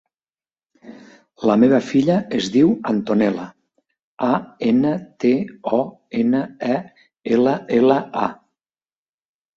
La meva filla es diu Antonella: a, ena, te, o, ena, e, ela, ela, a.